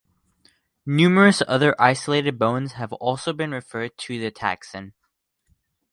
Numerous other isolated bones have also been referred to the taxon.